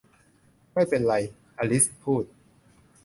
ไม่เป็นไร อลิซพูด